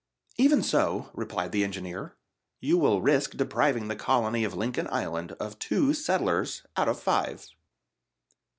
"Even so," replied the engineer, "you will risk depriving the colony of Lincoln Island of two settlers out of five."